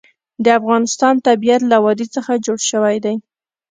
د افغانستان طبیعت له وادي څخه جوړ شوی دی.